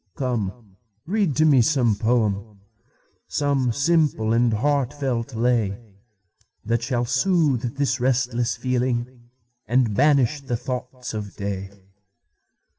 Come, read to me some poem, Some simple and heartfelt lay, That shall soothe this restless feeling, And banish the thoughts of day.